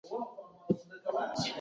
وه عثمان جان پاچا په غږ یې ور غږ کړل.